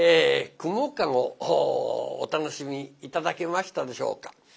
「蜘蛛駕籠」お楽しみ頂けましたでしょうか？